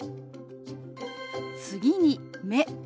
次に「目」。